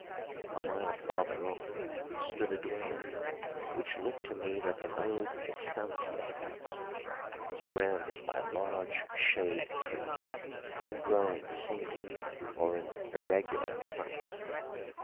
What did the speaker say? A mile farther on stood a dwelling, which looked to me like an old estancia house, surrounded by large shade trees growing singly or in irregular clumps.